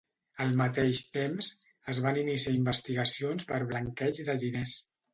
Al mateix temps, es van iniciar investigacions per blanqueig de diners.